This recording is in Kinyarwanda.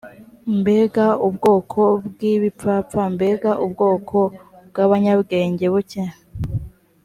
mbega ubwoko bw’ibipfapfa, mbega ubwoko bw’abanyabwenge buke!